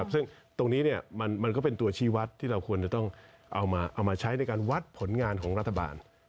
ซึ่งตรงนี้มันก็เป็นตัวชีวัตรที่เราควรจะต้องเอามาใช้ในการวัดผลงานของรัฐบาล